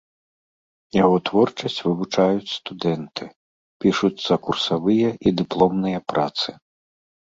Яго творчасць вывучаюць студэнты, пішуцца курсавыя і дыпломныя працы.